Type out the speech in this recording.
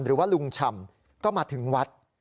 หรือว่าลุงฉ่ำก็มาถึงวัด